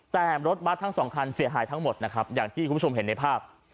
แต่รถบัตรทั้งสองคันเสียหายทั้งหมดนะครับอย่างที่คุณผู้ชมเห็นในภาพ